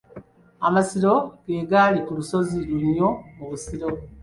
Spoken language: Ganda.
Amasiro ge gali ku lusozi Lunnyo mu Busiro.